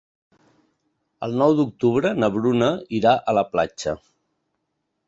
El nou d'octubre na Bruna irà a la platja.